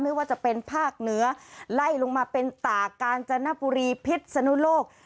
ไม่ว่าจะเป็นภาคเหนือไล่ลงมาเป็นตากาญจนบุรีพิษสนุโลก